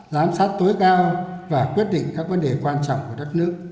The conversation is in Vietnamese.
giám sát tối cao và quyết định các vấn đề quan trọng của đất nước